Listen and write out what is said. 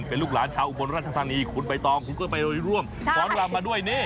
เป็นลูกหลานชาวอุบลราชธานีคุณใบตองคุณก็ไปร่วมฟ้อนรำมาด้วยนี่